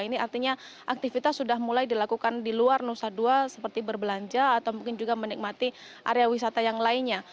ini artinya aktivitas sudah mulai dilakukan di luar nusa dua seperti berbelanja atau mungkin juga menikmati area wisata yang lainnya